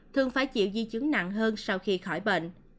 thường phải chịu di chứng nặng hơn sau khi khỏi bệnh